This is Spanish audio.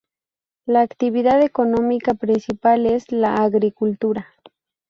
La actividad económica principal es la agricultura.